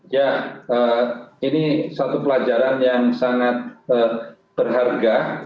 ya ini satu pelajaran yang sangat berharga